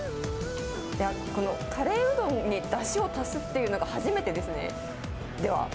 このカレーうどんに、だしを足すっていうのが初めてですね。